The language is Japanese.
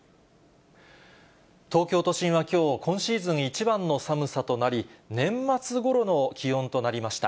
東京都心はきょう、今シーズン一番の寒さとなり、年末ごろの気温となりました。